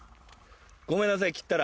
ごめんなさい切ったら。